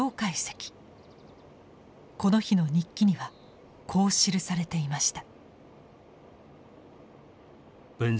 この日の日記にはこう記されていました。